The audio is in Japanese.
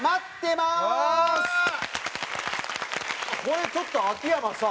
これちょっと秋山さあ。